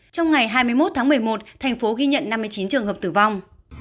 trong ngày hai mươi một tháng một mươi một thành phố ghi nhận năm mươi chín trường hợp tử vong